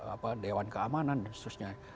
apa dewan keamanan dan seterusnya